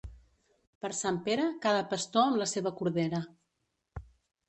Per Sant Pere, cada pastor amb la seva cordera.